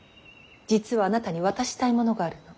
実はあなたに渡したいものがあるの。